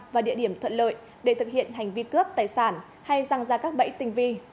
và địa điểm thuận lợi để thực hiện hành vi cướp tài sản hay răng ra các bẫy tinh vi